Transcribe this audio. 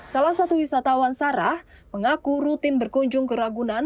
salah satu wisatawan sarah mengaku rutin berkunjung ke ragunan